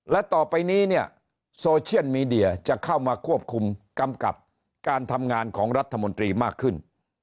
และต่อไปนี้เนี่ยโซเชียลมีเดียจะเข้ามาควบคุมกำกับการทำงานของรัฐมนตรีมากขึ้น